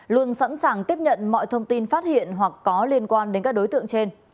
luôn sẵn sàng tiếp nhận mọi thông tin phát hiện hoặc có liên quan đến các đối tượng trên